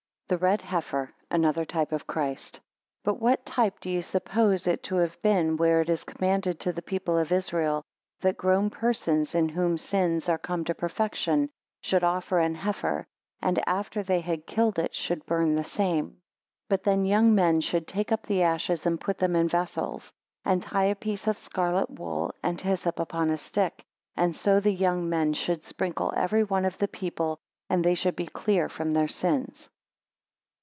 The red heifer, another type of Christ. BUT what type do ye suppose it to have been, where it is commanded to the people of Israel, that grown persons in whom sins are come to perfection, should offer an heifer, and after they had killed it should burn the same; 2 But then young men should take up the ashes and put them in vessels; and tie a piece of scarlet wool and hyssop upon a stick, and so the young men should sprinkle every one of the people, and they should be clear from their sins?